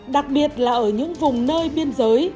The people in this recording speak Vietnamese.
đặc biệt là ở những vùng nơi biên giới